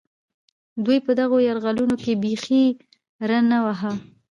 دوی په دغو یرغلونو کې بېخي ري نه واهه.